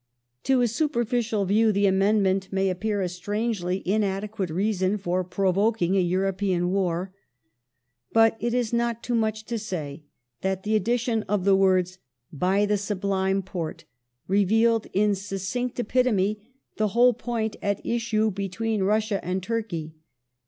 To a superficial view the amendment may appear a strangely inadequate reason for provoking a European Wai*. But it is not too much to say that the addition of the /words " by the Sublime Porte " revealed, in succinct epitome, the whole point at issue between Russia and Turkey.